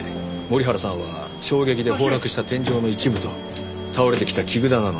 森原さんは衝撃で崩落した天井の一部と倒れてきた器具棚の下敷きになり。